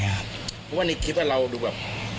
เพราะว่าในคลิปเราดูแบบ